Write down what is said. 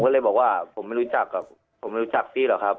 ก็เลยบอกว่าผมไม่รู้จักกับผมไม่รู้จักพี่หรอกครับ